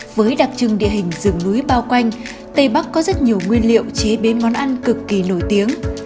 với đặc trưng địa hình rừng núi bao quanh tây bắc có rất nhiều nguyên liệu chế biến món ăn cực kỳ nổi tiếng